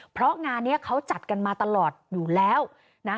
เพราะงานนี้เขาจัดกันมาตลอดอยู่แล้วนะ